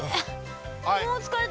もう疲れた。